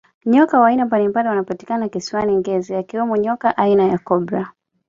nyoka wa aina mbalimbali wanapatikana kisiwani ngezi akiwemo nyoka aina ya cobra